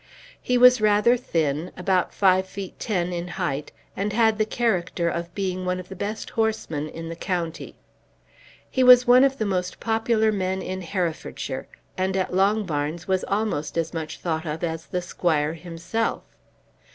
He was rather thin, about five feet ten in height, and had the character of being one of the best horsemen in the county. He was one of the most popular men in Herefordshire, and at Longbarns was almost as much thought of as the squire himself.